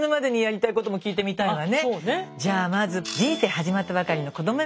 じゃあまず人生始まったばかりの子ども